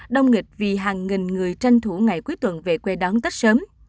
đông nghịch vì hàng nghìn người tranh thủ ngày cuối tuần về quê đón tết sớm